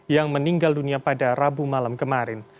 yang meninggal dunia pada rabu malam kemarin